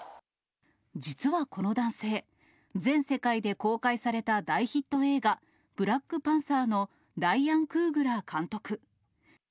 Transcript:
実はこの男性、全世界で公開された大ヒット映画、ブラックパンサーのライアン・クーグラー監督。